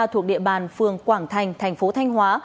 thuộc địa bàn phường quảng thành thành phố thanh hóa